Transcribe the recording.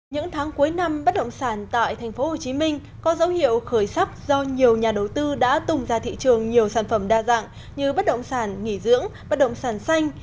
những tháng cuối năm bất động sản tại tp hcm có dấu hiệu khởi sắc do nhiều nhà đầu tư đã tung ra thị trường nhiều sản phẩm đa dạng như bất động sản nghỉ dưỡng bất động sản xanh